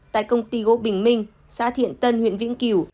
tại công ty gỗ bình minh xã thiện tân huyện vĩnh cửu